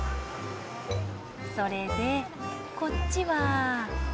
それでこっちは。